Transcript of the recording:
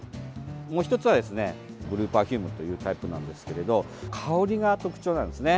もう１つではですねブルーパフュームというタイプなんですけれど香りが特徴なんですね。